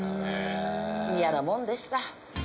嫌なもんでした。